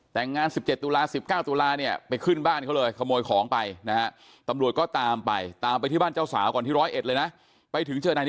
แต่งงาน๑๗ตุลา๑๙ตุลาเนี่ยไปขึ้นบ้านเขาเลย